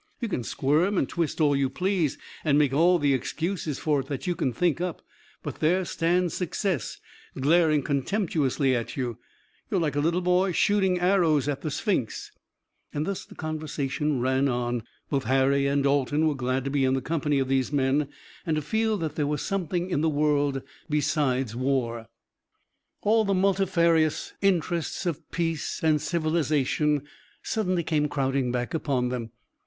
You can squirm and twist all you please, and make all the excuses for it that you can think up, but there stands success glaring contemptuously at you. You're like a little boy shooting arrows at the Sphinx." Thus the conversation ran on. Both Harry and Dalton were glad to be in the company of these men, and to feel that there was something in the world besides war. All the multifarious interests of peace and civilization suddenly came crowding back upon them.